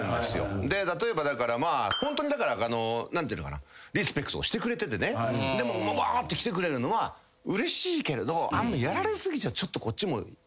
例えばホントにリスペクトをしてくれててねわーって来てくれるのはうれしいけれどあんまやられ過ぎちゃこっちも萎縮するっていうか。